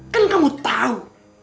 kan kamu tahu